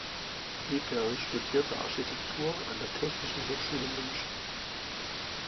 Eberl studierte Architektur an der Technischen Hochschule München.